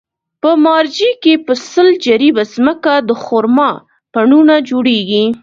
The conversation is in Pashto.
په مارجې کې په سل جریبه ځمکه د خرما پڼونه جوړېږي.